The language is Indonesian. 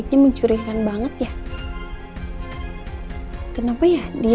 gue mau cari lagi deh